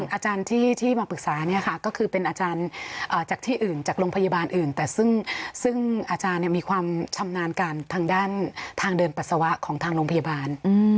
อาจารย์ที่มาปรึกษาเนี่ยค่ะก็คือเป็นอาจารย์จากที่อื่นจากโรงพยาบาลอื่นแต่ซึ่งอาจารย์มีความชำนาญการทางด้านทางเดินปัสสาวะของทางโรงพยาบาล